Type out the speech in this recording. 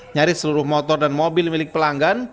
nyaris seluruh motor dan mobil milik pelanggan